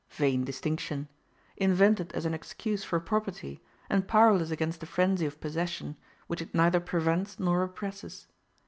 Vain distinction! invented as an excuse for property, and powerless against the frenzy of possession, which it neither prevents nor represses.